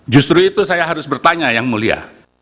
justru itu saya harus bertanya yang mulia